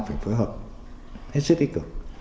chúng tôi đang phải phối hợp hết sức ích cực